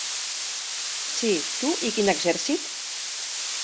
Sí, tu i quin exèrcit?